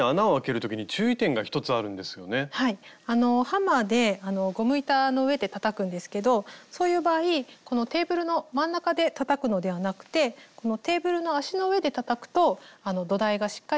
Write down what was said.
ハンマーでゴム板の上でたたくんですけどそういう場合このテーブルの真ん中でたたくのではなくてこのテーブルの脚の上でたたくと土台がしっかりしてあけやすくなります。